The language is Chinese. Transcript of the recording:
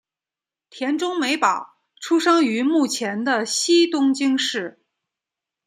田中美保出生于目前的西东京市。